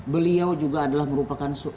beliau juga adalah merupakan